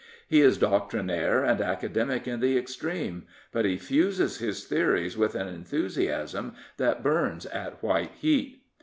He is doctrinaire and academic in the extreme; but he fuses his theories with an enthusiasm that burns at white heat.